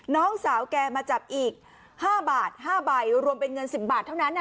น้องสาวแกมาจับอีก๕บาท๕ใบรวมเป็นเงิน๑๐บาทเท่านั้น